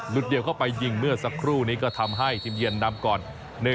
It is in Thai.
เดียวเข้าไปยิงเมื่อสักครู่นี้ก็ทำให้ทีมเยือนนำก่อน